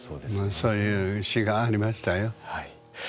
そういう詩がありましたよ。